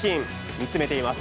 見つめています。